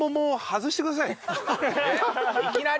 外してください。